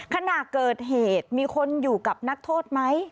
ขณะเกิดเหตุมีคนอยู่กับนักโทษไหม